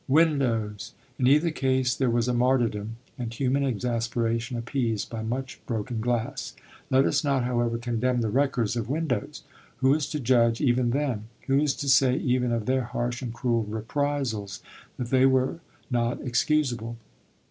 Windows! In either case there was a martyrdom, and human exasperation appeased by much broken glass. Let us not, however, condemn the wreckers of windows. Who is to judge even them? Who is to say even of their harsh and cruel reprisals that they were not excusable?